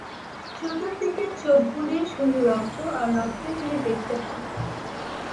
চতুর্দিকে চোখ বুলিয়ে শুধু রক্ত আর রক্তই তিনি দেখতে পান।